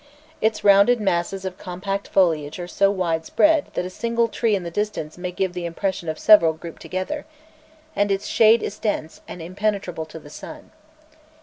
Its rounded masses of compact foliage are so wide spreading that a single tree in the distance may give the impression of several grouped together; and its shade is dense, and impenetrable to the sun.